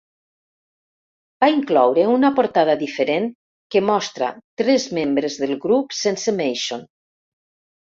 Va incloure una portada diferent que mostra tres membres del grup sense Mason.